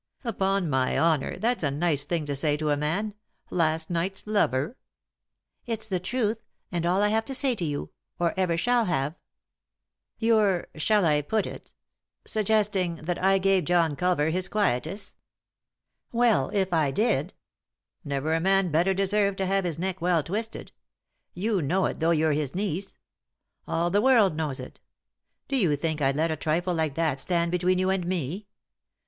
" Upon my honour !— that's a nice thing to say to a man 1 — last night's lover 1 " "It's the truth, and all I have to say to you — or ever shall hare." 22 3i 9 iii^d by Google THE INTERRUPTED KISS " You're— shall I put it ?— suggesting that I gave John Culver his quietus. Well, if I did ? Never a man better deserved to have his neck well twisted ; you know it, though you're his niece. All the world knows it Do you think I'd let a trifle like that stand between you and me